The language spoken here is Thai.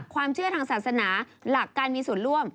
ความเชื่อทางศาสนาหลักการมีส่วนร่วม